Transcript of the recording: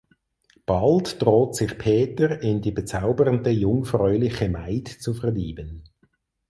Bald droht sich Peter in die bezaubernde jungfräuliche Maid zu verlieben.